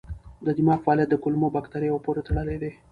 د دماغ فعالیت د کولمو بکتریاوو پورې تړلی دی.